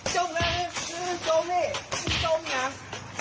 จงละจงนี่จงนี่